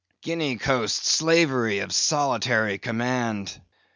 Guinea coast slavery of solitary command!